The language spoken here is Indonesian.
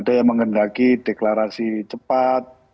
ada yang menghendaki deklarasi cepat